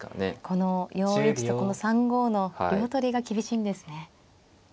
この４一とこの３五の両取りが厳しいんですね。